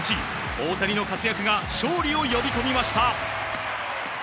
大谷の活躍が勝利を呼び込みました。